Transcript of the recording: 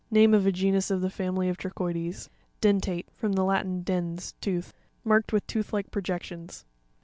Name of a genus of the family of Trochoides. Den'rateE.— From the Latin, dens, tooth. Marked with tooth like projections.